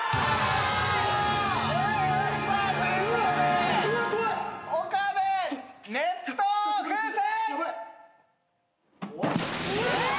さあということで岡部熱湯風船！